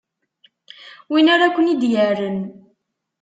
Win ara ken-i d-yerren.